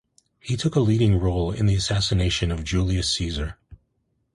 He took a leading role in the assassination of Julius Caesar.